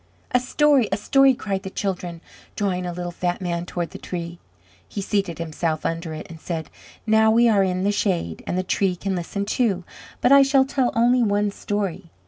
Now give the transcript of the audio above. "A story! a story!" cried the children, drawing a little fat man toward the tree. He seated himself under it, and said: "Now we are in the shade, and the Tree can listen, too. But I shall tell only one story.